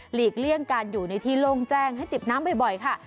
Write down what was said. เลี่ยงการอยู่ในที่โล่งแจ้งให้จิบน้ำบ่อยค่ะ